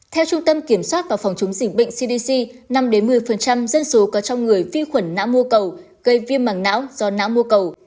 theo trung tâm kiểm soát và phòng chống dịch bệnh cdc năm một mươi dân số có trong người vi khuẩn nã mô cầu gây viêm mảng não do não mô cầu